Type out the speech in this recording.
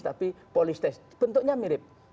tapi polistes bentuknya mirip